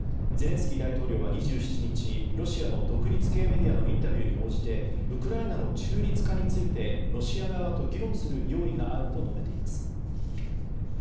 ゼレンスキー大統領は２７日ロシアの独立系メディアのインタビューに応じてウクライナの中立化についてロシア側と議論する用意があると述べています。